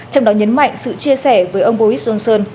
trong đó nhấn mạnh sự chia sẻ với ông boris johnson